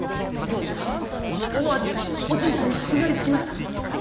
りょうじはおもわずおじいさんにすがりつきました。